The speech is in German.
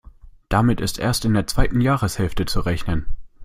Damit ist erst in der zweiten Jahreshälfte zu rechnen.